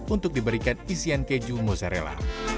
untuk diberikan isian keju mozzarella